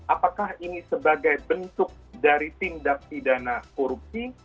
apakah ini sebagai bentuk dari tindaksi dana korupsi